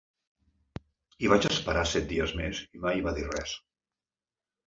I vaig esperar set dies més i mai va dir res.